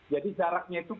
jadi jaraknya itu kurang